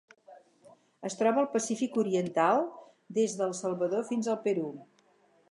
Es troba al Pacífic oriental: des del Salvador fins al Perú.